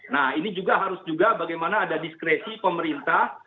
nah ini juga harus juga bagaimana ada diskresi pemerintah